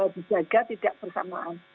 dijaga tidak bersamaan